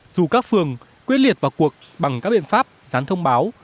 dù các phường quyết liệt vào cuộc bằng các biện pháp gián thông báo